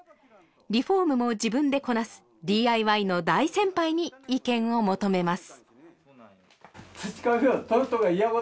リフォームも自分でこなすＤＩＹの大先輩に意見を求めます